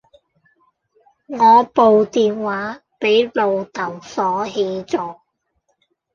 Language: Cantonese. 我部電話俾老竇鎖起咗